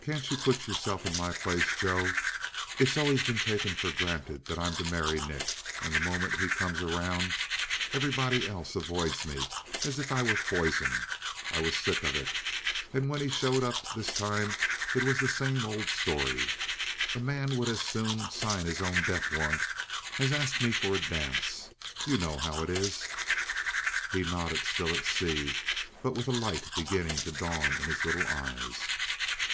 "Can't you put yourself in my place, Joe? It's always been taken for granted that I'm to marry Nick. And the moment he comes around everybody else avoids me as if I were poison. I was sick of it. And when he showed up this time it was the same old story. A man would as soon sign his own death warrant as ask me for a dance. You know how it is?" He nodded, still at sea, but with a light beginning to dawn in his little eyes.